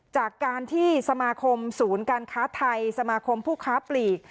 จากการที่สมาคมศูนย์การค้าไทยสมาคมผู้ค้าปลีก